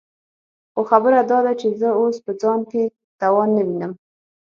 خو خبره داده چې زه اوس په خپل ځان کې توان نه وينم.